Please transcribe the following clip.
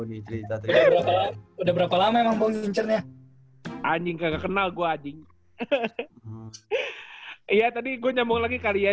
udah berapa lama memang anjing nggak kenal gua anjing iya tadi gua nyambung lagi kali ya